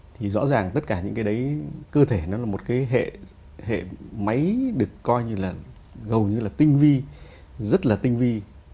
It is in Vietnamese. thì rõ ràng tất cả những cơ thể đó là một hệ máy được coi như là gầu như là tinh vi rất là tinh vi